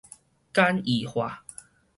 簡易化